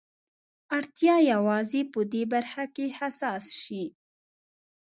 اړتيا يوازې په دې برخه کې حساس شي.